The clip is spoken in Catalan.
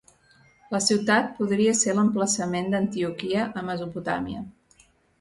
La ciutat podria ser l'emplaçament d'Antioquia a Mesopotamia.